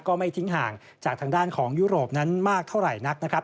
ก็ไม่ทิ้งห่างจากทางด้านของยุโรปนั้นมากเท่าไหร่นักนะครับ